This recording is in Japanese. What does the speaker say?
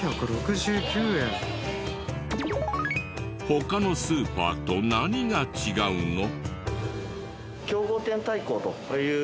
他のスーパーと何が違うの？